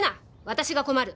私が困る！」